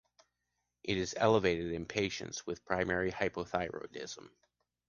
It is elevated in patients with primary hypothyroidism.